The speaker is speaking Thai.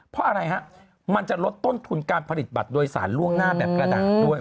เพราะอะไรฮะมันจะลดต้นทุนการผลิตบัตรโดยสารล่วงหน้าแบบกระดาษด้วย